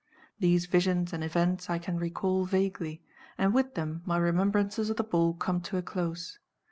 These visions and events I can recall vaguely; and with them my remembrances of the ball come to a close.